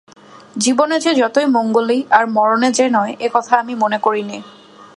জীবনেই যে মঙ্গলই আর মরণে যে নয়, এ কথা আমি মনে করি নে।